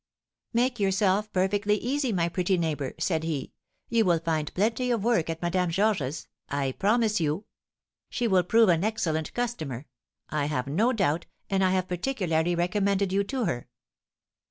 'Make yourself perfectly easy, my pretty neighbour,' said he, you will find plenty of work at Madame Georges's, I promise you; she will prove an excellent customer, I have no doubt, and I have particularly recommended you to her.'